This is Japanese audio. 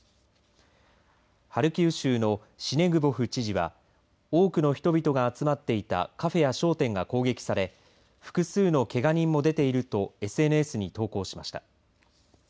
ハルキウ州のシネグボフ知事は多くの人々が集まっていたカフェや商店が攻撃され複数のけが人も出ているとＳＮＳに投稿しました。